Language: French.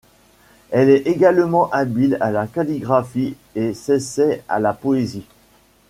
Elle est également habile à la calligraphie et s'essaye à la poésie.